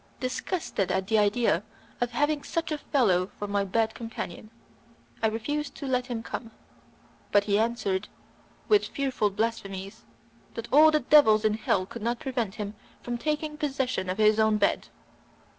Disgusted at the idea of having such a fellow for my bed companion, I refused to let him come, but he answered, with fearful blasphemies, that all the devils in hell could not prevent him from taking possession of his own bed.